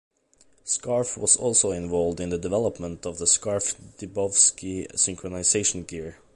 Scarff was also involved in the development of the Scarff-Dibovsky synchronizion gear.